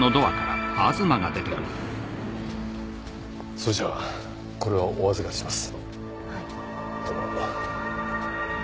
それじゃこれはお預かりします